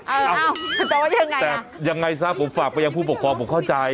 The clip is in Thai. เออเอาแต่ว่ายังไงอ่ะแต่ยังไงซะผมฝากก็ยังผู้ปกครองผมเข้าใจ